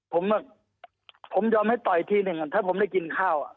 ผมแบบผมยอมให้ต่อยทีหนึ่งถ้าผมได้กินข้าว